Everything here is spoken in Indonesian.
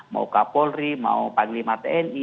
mau kapolri mau panglima tni